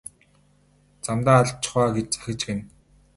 Замдаа алдчихав аа гэж захиж гэнэ.